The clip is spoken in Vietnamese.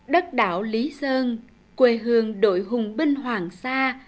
đất đảo lý sơn quê hương đội hùng binh hoàng sa